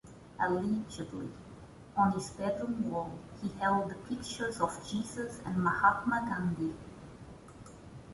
Allegedly, on his bedroom wall he held the pictures of Jesus and Mahatma Gandhi.